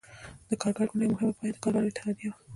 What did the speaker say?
د کارګر ګوند یوه مهمه پایه د کارګرو اتحادیه وه.